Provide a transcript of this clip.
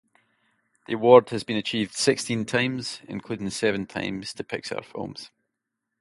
This award has been achieved sixteen times, including seven times to Pixar films.